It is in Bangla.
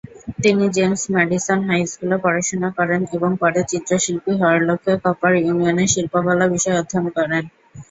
তিনি জেমস ম্যাডিসন হাই স্কুলে পড়াশোনা করেন এবং পরে চিত্রশিল্পী হওয়ার লক্ষ্যে কপার ইউনিয়নে শিল্পকলা বিষয়ে অধ্যয়ন করেন।